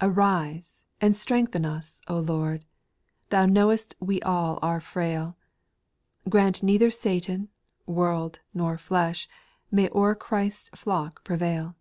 4. Arise, and strengthen us, O Lord, Thou know'st we all are frail ; Grant neither Satan, world, nor flesh May o'er Christ's flock prevail.